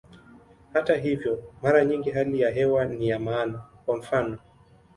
Hata hivyo, mara nyingi hali ya hewa ni ya maana, kwa mfano.